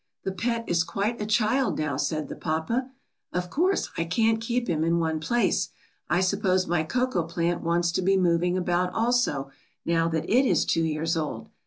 The pet is quite a child now,' said the papa. ^Of course, I can't keep him in one place. I sup pose my cocoa plant wants to be moving about also, now that it is two years old.